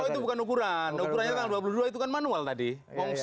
oh itu bukan ukuran ukurannya tanggal dua puluh dua